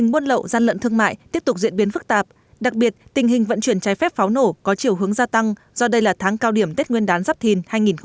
buôn lậu gian lận thương mại tiếp tục diễn biến phức tạp đặc biệt tình hình vận chuyển trái phép pháo nổ có chiều hướng gia tăng do đây là tháng cao điểm tết nguyên đán giáp thìn hai nghìn hai mươi bốn